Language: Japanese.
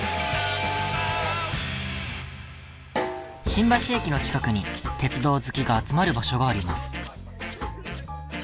新橋駅の近くに鉄道好きが集まる場所があります。